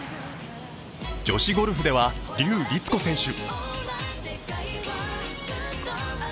女子ゴルフでは笠りつ子選手。